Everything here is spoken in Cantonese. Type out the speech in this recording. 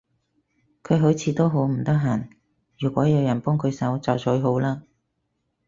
佢好似都好唔得閒，如果有人幫佢手就最好嘞